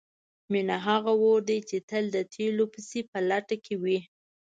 مینه هغه اور دی چې تل د تیلو پسې په لټه کې وي.